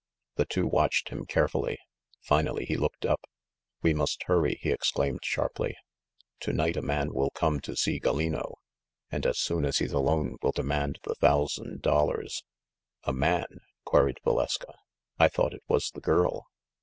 The two watched him carefully. Finally he looked up. "We must hurry!" he ex claimed sharply. "To night a man will come to see Gallino, and as soon as he's alone will demand the thousand dollars." "A man?" queried Valeska. "I thought it was the girl."